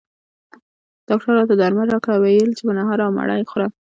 ډاکټر راته درمل راکړل او ویل یې چې په نهاره او مړه یې خوره